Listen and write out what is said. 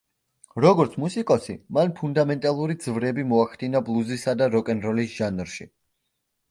როგორც, მუსიკოსი მან ფუნდამენტალური ძვრები მოახდინა ბლუზისა და როკ-ენ-როლის ჟანრში.